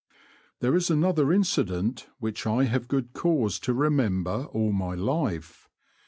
There is another incident which I have good cause to remember all my life.